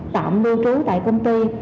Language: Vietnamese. tạm lưu trú tại công ty